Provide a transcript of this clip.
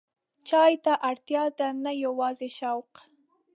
چای ته اړتیا ده، نه یوازې شوق.